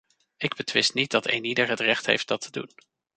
Ik betwist niet dat eenieder het recht heeft dat te doen!